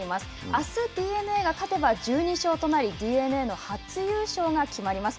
あすＤｅＮＡが勝てば、１２勝となりＤｅＮＡの初優勝が決まります。